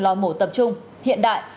lò mổ tập trung hiện đại